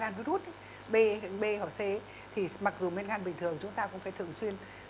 viêm gan virus b hoặc c thì mặc dù mẹn gan bình thường chúng ta cũng phải thường xuyên